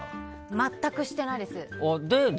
全くしてないです。だよね。